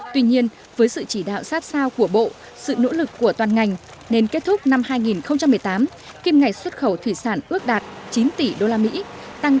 tuy nhiên với sự chỉ đạo sát sao của bộ sự nỗ lực của toàn ngành nền kết thúc năm hai nghìn một mươi tám kim ngày xuất khẩu thủy sản ước đạt chín tỷ usd tăng tám bốn